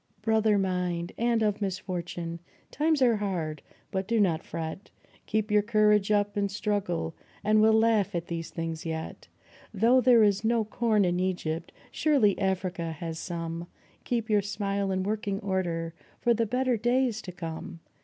Brother mine, and of misfortune ! times are hard, but do not fret, Keep your courage up and struggle, and we'll laugh at these things yet. Though there is no corn in Egypt, surely Africa has some Keep your smile in working order for the better days to come